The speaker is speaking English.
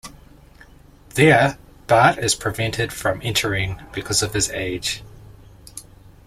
There, Bart is prevented from entering because of his age.